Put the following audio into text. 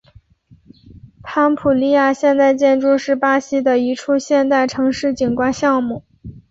潘普利亚现代建筑是巴西的一处现代城市景观项目。